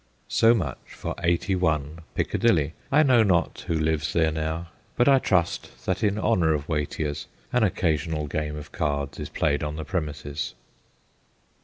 So much for 81 Piccadilly. I know not who lives there now, but I trust that in honour of Watier's an occasional game of cards is played on the premises.